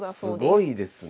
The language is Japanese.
すごいですねえ。